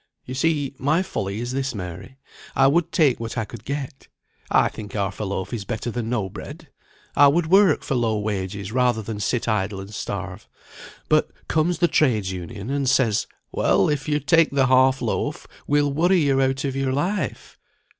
"You see my folly is this, Mary. I would take what I could get; I think half a loaf is better than no bread. I would work for low wages rather than sit idle and starve. But, comes the Trades' Union, and says, 'Well, if you take the half loaf, we'll worry you out of your life.